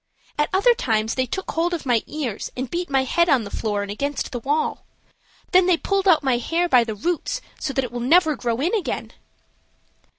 At other times they took hold of my ears and beat my head on the floor and against the wall. Then they pulled out my hair by the roots, so that it will never grow in again."